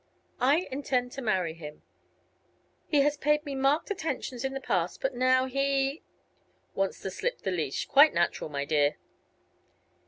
"I intend to marry him. He has paid me marked attentions in the past; but now he " "Wants to slip the leash. Quite natural, my dear."